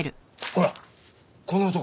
ほらこの男。